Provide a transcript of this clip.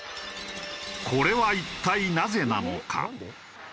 これは一体なぜなのか？